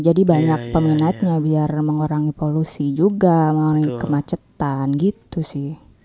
jadi banyak peminatnya biar mengurangi polusi juga mengurangi kemacetan gitu sih